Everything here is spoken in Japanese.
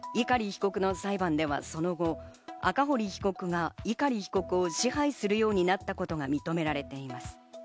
碇被告の裁判ではその後、赤堀被告が碇被告を支配するようになったことが認められています。